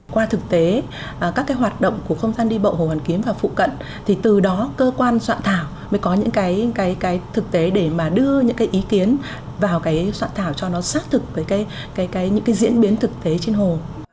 qua thực tế các hoạt động của không gian đi bộ hồ hoàn kiếm và phụ cận thì từ đó cơ quan soạn thảo mới có những thực tế để đưa những ý kiến vào soạn thảo cho nó xác thực với những diễn biến thực tế trên hồ